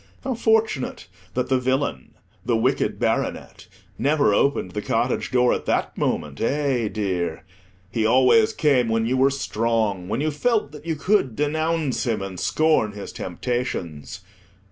How fortunate that the villain, the Wicked Baronet, never opened the cottage door at that moment, eh, dear! He always came when you were strong, when you felt that you could denounce him, and scorn his temptations.